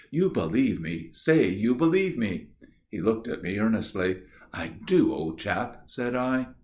You believe me! Say you believe me." He looked at me earnestly. "I do, old chap," said I.